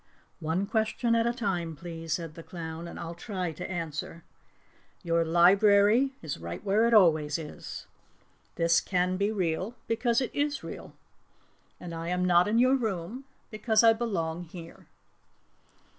"One question at a time, please," said the clown, "and I'll try to answer. Your library is right where it always is. This can be real because it is real. And I am not in your room because I belong here."